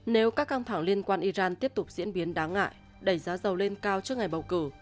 nếu các căng thẳng liên quan iran tiếp tục diễn biến đáng ngại đẩy giá dầu lên cao trước ngày bầu cử